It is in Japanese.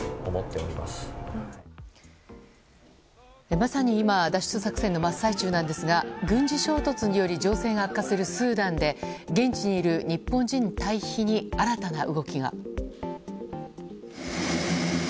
まさに今、脱出作戦の真っ最中なんですが軍事衝突により情勢が悪化するスーダンで現地にいる日本人退避に新たな動きが。